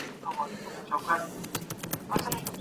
روڼ اندي شخصیتونه تل د بدلون په لټه کي وي.